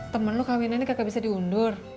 temen lo kawinannya kagak bisa diundur